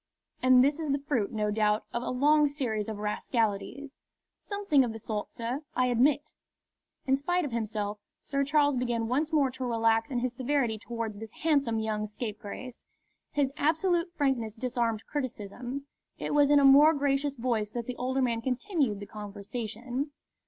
"And this is the fruit, no doubt, of a long series of rascalities." "Something of the sort, sir, I admit." In spite of himself, Sir Charles began once more to relax in his severity towards this handsome young scapegrace. His absolute frankness disarmed criticism. It was in a more gracious voice that the older man continued the conversation.